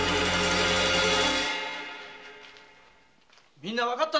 みんなわかったな！